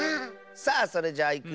さあそれじゃいくよ。